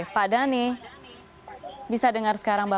pak dhani bisa dengar sekarang mbak